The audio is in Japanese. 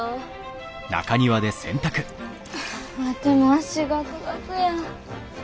ワテも足ガクガクや。